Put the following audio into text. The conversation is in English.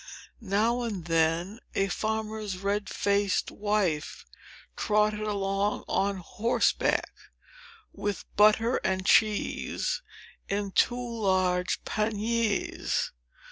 Now and then a farmer's red faced wife trotted along on horseback, with butter and cheese in two large panniers.